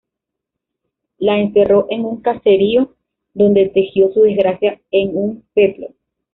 La encerró en un caserío, dónde tejió su desgracia en un peplo.